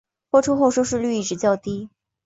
播出后收视率一直较低。